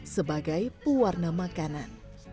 sebagai pewarna makanan